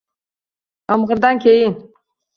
Yomg’irdan keyin